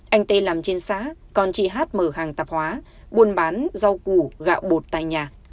anh t làm trên xá còn chị h mở hàng tạp hóa buôn bán rau củ gạo bột tại nhà